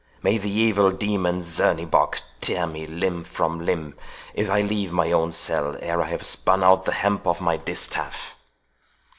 May the evil demon Zernebock tear me limb from limb, if I leave my own cell ere I have spun out the hemp on my distaff!"